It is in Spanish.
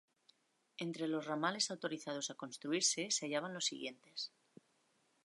Entre los ramales autorizados a construirse se hallaban los siguientes.